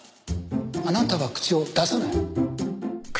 あなたは口を出さない。